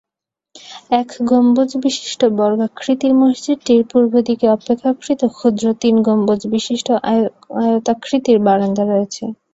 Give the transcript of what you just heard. এক গম্বুজবিশিষ্ট বর্গাকৃতির মসজিদটির পূর্বদিকে অপেক্ষাকৃত ক্ষুদ্র তিন গম্বুজবিশিষ্ট আয়তাকৃতির বারান্দা রয়েছে।